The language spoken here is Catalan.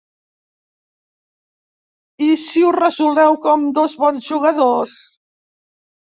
I si ho resoleu com dos bons jugadors?